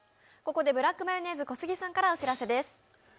ここでブラックマヨネーズ小杉さんからお知らせです。